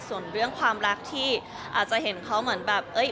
ส่วนเรื่องความรักที่อาจจะเห็นเขาเหมือนแบบเอ้ย